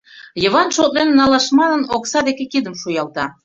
Йыван, шотлен налаш манын, окса деке кидым шуялта.